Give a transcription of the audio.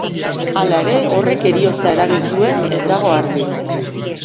Hala ere, horrek heriotza eragin zuen ez dago argi.